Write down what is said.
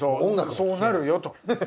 そうなるよと。